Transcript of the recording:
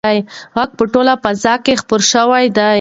غږ په ټوله فضا کې خپور شوی دی.